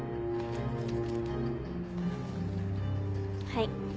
はい。